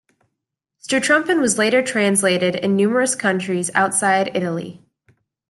"Sturmtruppen" was later translated in numerous countries outside Italy.